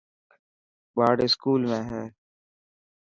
ٻاڙ اسڪول ۾ هي.